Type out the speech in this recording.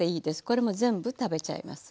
これも全部食べちゃいます。